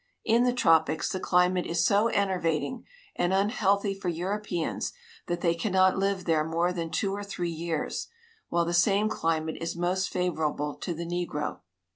In the tropics the climate is so enervating and unhealthy for Europeans that they cannot live there more than two or three years, while the same climate is most favorable to the negro.